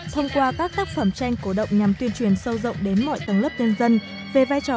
thông qua các tác phẩm tranh cổ động nhằm tuyên truyền sâu rộng đến mọi tầng lớp nhân dân về vai trò